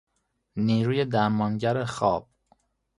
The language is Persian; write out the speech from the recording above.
نیروی درمانگر خواب